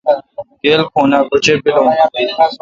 گیل کھوناں کہ چے° پِلون؟